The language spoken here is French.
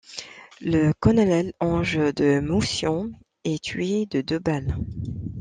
Le colonel Ange de Maussion est tué de deux balles.